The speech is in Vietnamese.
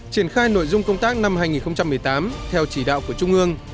triển khai nội dung công tác năm hai nghìn một mươi tám theo chỉ đạo của trung ương